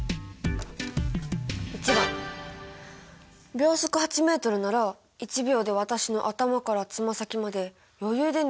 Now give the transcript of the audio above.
秒速８ｍなら１秒で私の頭からつま先まで余裕で２往復半できますよ。